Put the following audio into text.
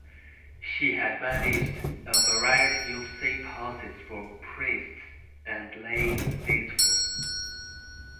She had managed a variety of safe-houses for priests and lay faithful.